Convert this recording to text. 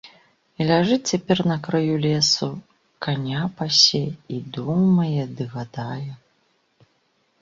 І ляжыць цяпер на краю лесу, каня пасе, і думае ды гадае.